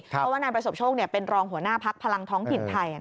เพราะว่านายประสบโชคเป็นรองหัวหน้าพักพลังท้องถิ่นไทย